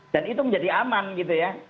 itu menjadi aman gitu ya